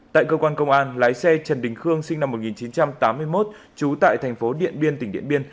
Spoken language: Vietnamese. tại cơ quan công an lái xe trần đình khương sinh năm một nghìn chín trăm tám mươi một trú tại thành phố điện biên tỉnh điện biên